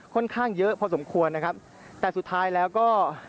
ค่อนข้างเยอะพอสมควรนะครับแต่สุดท้ายแล้วก็